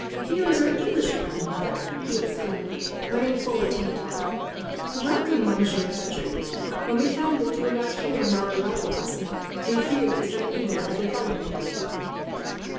"Here is our English friend, mother," he exclaimed, running forward to meet Philip. "Welcome, Monsieur Fletcher. When we found that you were not here, on our arrival last night, we feared that some evil had befallen you."